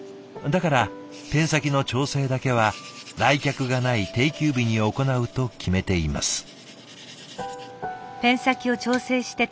だからペン先の調整だけは来客がない定休日に行うと決めています。